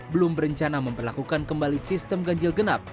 belum berencana memperlakukan kembali sistem ganjil genap